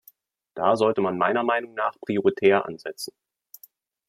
Da sollte man meiner Meinung nach prioritär ansetzen.